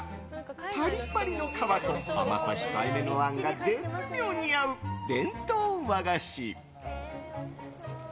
パリパリの皮と甘さ控えめのあんが絶妙に合う伝統和菓子。